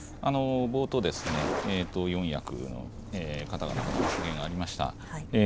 冒頭ですね、四役の方々から発言がありました。